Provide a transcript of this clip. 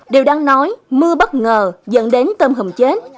điều đáng nói mưa bất ngờ dẫn đến tôm hùm chết